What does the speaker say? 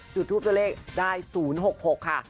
จุดทูปตัวเลขได้๐๖๖ค่ะ